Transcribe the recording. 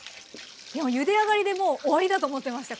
いやゆで上がりでもう終わりだと思ってました。